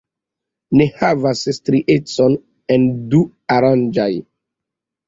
Ne havas striecon en duarangaj.